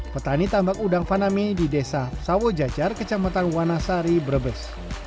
petani tambak udang fanami di desa sawojacar kecamatan wanasari berbes